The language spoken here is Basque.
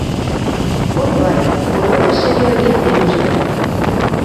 Hori bai, kolore serioegiak dituzte.